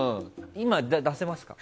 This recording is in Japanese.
今出せますか。